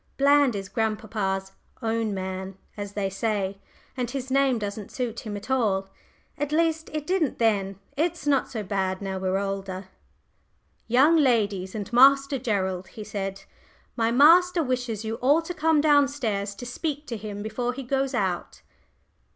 Bland is grandpapa's "own man," as they say, and his name doesn't suit him at all at least, it didn't then he's not so bad now we're older. "Young ladies and Master Gerald," he said, "my master wishes you all to come down stairs to speak to him before he goes out."